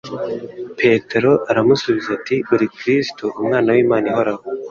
Petero aramusubiza ati: "Uri Kristo Umwana w'Imana ihoraho."